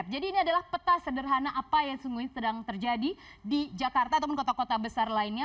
jadi ini adalah peta sederhana apa yang sungguhnya sedang terjadi di jakarta atau kota kota besar lainnya